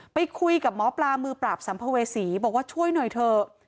ไปคุยกับหมอปลามือปราบสัมภเวษีบอกว่าช่วยหน่อยเถอะ